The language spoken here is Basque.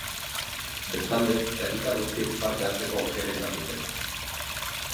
Bestalde, herritar guztiek parte hartzeko aukera izan dute.